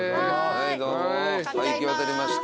はいどうも行き渡りました。